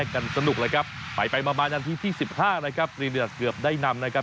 ก็จะทำกากเป็นพอรพฤตของทีมชาติไทยไปลองฟังบางตอนกันครับ